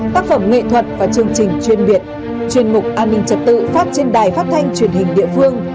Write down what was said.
tác phẩm nghệ thuật và chương trình chuyên biệt chuyên mục an ninh trật tự phát trên đài phát thanh truyền hình địa phương